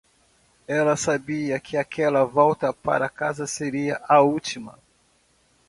Ela sabia que aquela volta para casa seria a última.